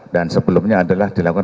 dan sebelumnya adalah dilakukan